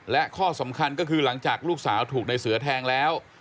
และข้อสำคัญก็คือหลังจากลูกสาวถูกในเสือแทงแล้ว